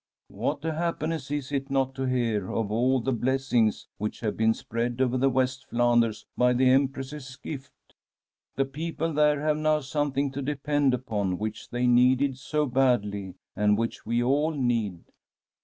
'" What a happiness, is it not, to hear of all the blessings which have been spread over West Flanders by the Empress's gift! The people there have now something to depend upon which they needed so badly, and which we all need.